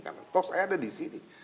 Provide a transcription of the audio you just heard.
karena toks saya ada di sini